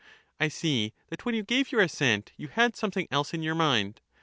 I see that when you gave your assent you had some thing else in your mind.